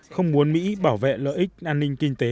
không muốn mỹ bảo vệ lợi ích an ninh kinh tế